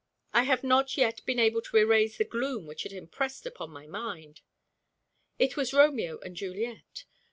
I have not yet been able to erase the gloom which it impressed upon my mind. It was Romeo and Juliet.